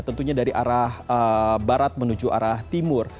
tentunya dari arah barat menuju arah timur